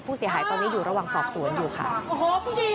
ผู้เสียหายตอนนี้อยู่ระหว่างสอบสวนอยู่ค่ะ